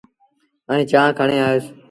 ائيٚݩ چآنه کڻي آيوس